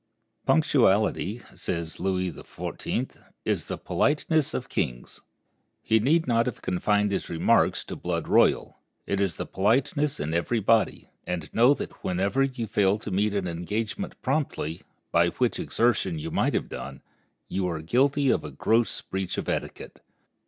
"Punctuality," says Louis XIV, "is the politeness of kings." He need not have confined his remarks to blood royal; it is politeness in every body; and know that whenever you fail to meet an engagement promptly, which by exertion you might have done, you are guilty of a gross breach of etiquette.